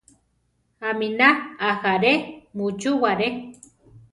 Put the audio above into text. Aminá ajaré muchúware.